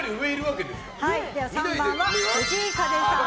３番は、藤井風さん。